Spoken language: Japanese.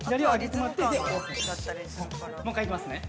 もう一回いきますね。